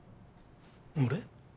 俺？